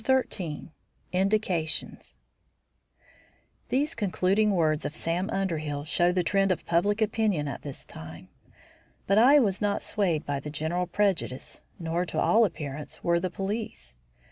XIII INDICATIONS These concluding words of Sam Underhill show the trend of public opinion at this time. But I was not swayed by the general prejudice, nor, to all appearance, were the police.